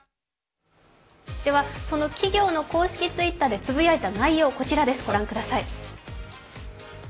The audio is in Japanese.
その企業の公式Ｔｗｉｔｔｅｒでつぶやいた内容、こちらです、御覧ください。